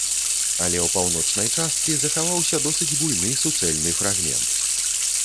Але ў паўночнай часткі захаваўся досыць буйны суцэльны фрагмент.